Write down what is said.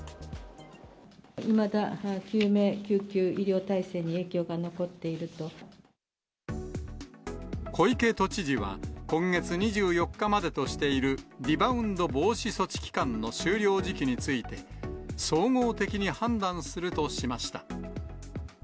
いまだ救命救急医療体制に影小池都知事は、今月２４日までとしているリバウンド防止措置期間の終了時期について、総合的に判断するとしました。